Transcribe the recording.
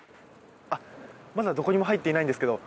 あっまだどこにも入っていないんですけど